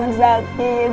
ma jangan sakit